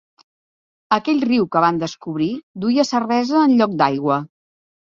Aquell riu que van descobrir duia cervesa en lloc d'aigua.